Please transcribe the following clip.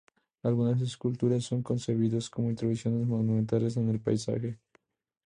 Algunas esculturas son concebidos como intervenciones monumentales en el paisaje.